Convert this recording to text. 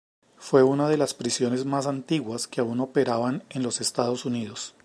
Fue una de las prisiones más antiguas que aún operaban en los Estados Unidos.